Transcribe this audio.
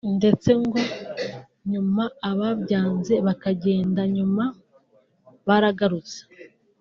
ndetse ngo nyuma ababyanze bakagenda nyuma baragarutse